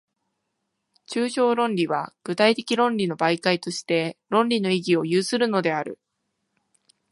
抽象論理は具体的論理の媒介として、論理の意義を有するのである。